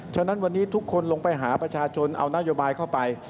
ฉะนั้นวันนี้ทุกคนลงไปหาประชาชนเอานโยบายเข้าไป